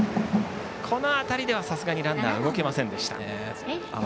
この当たりではさすがにランナーは動けませんでした。